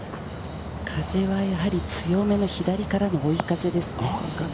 風は強めの左からの追い風です。